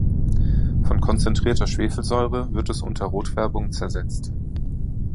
Von konzentrierter Schwefelsäure wird es unter Rotfärbung zersetzt.